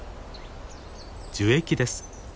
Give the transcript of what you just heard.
樹液です。